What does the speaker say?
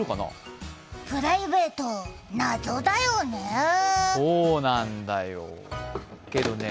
プライベート、謎だよね。